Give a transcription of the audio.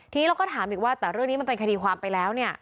ทีนี้เราก็ถามอีกว่าแต่เรื่องนี้มันเป็นคดีความไปแล้วเนี่ย